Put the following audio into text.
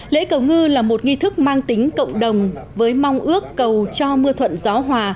lễ cầu ngư là một nghi thức mang tính cộng đồng với mong ước cầu cho mưa thuận gió hòa